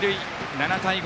７対５。